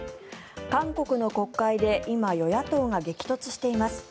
韓国の国会で今、与野党が激突しています。